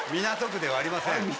港区ではありません。